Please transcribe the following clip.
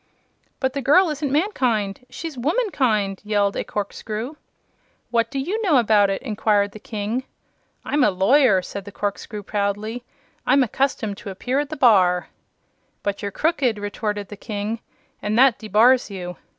"But the girl isn't mankind! She's womankind!" yelled a corkscrew. "What do you know about it?" inquired the King. "I'm a lawyer," said the corkscrew, proudly. "I am accustomed to appear at the bar." "But you're crooked," retorted the King, "and that debars you.